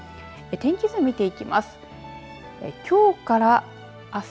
天気図を見ていきます。